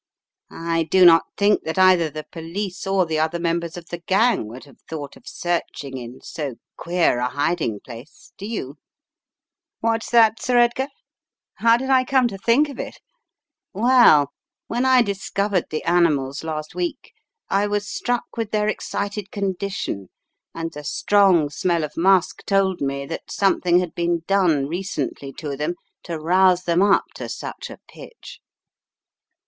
I do not think that either the police or the other members of the gang would have thought of searching in so queer a hiding place, do you? ... What's that, Sir 292 The Riddle of the Purple Emperor Edgar? How did I come to think of it? Well, when I discovered the animals last week, I was struck with their excited condition, and the strong smell of musk told me that something had been done recently to them to rouse them up to such a pitch.